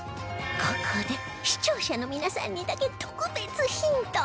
ここで視聴者の皆さんにだけ特別ヒント